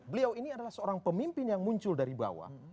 beliau ini adalah seorang pemimpin yang muncul dari bawah